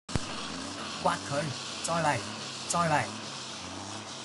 摑佢！再嚟！再嚟！